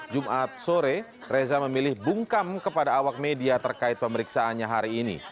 jumat sore reza memilih bungkam kepada awak media terkait pemeriksaannya hari ini